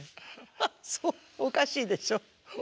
ハッそうおかしいでしょ？